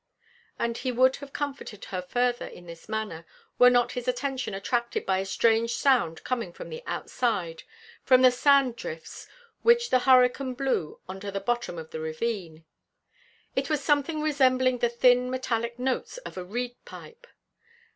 And he would have comforted her further in this manner, were not his attention attracted by a strange sound coming from the outside, from the sand drifts, which the hurricane blew onto the bottom of the ravine. It was something resembling the thin, metallic notes of a reed pipe.